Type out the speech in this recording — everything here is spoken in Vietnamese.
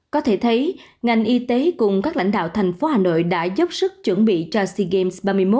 có thể thấy ngành y tế cùng các lãnh đạo thành phố hà nội đã dốc sức chuẩn bị cho sea games ba mươi một